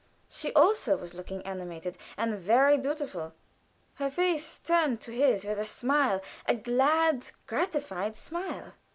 She also was looking animated and very beautiful; her face turned to his with a smile a glad, gratified smile.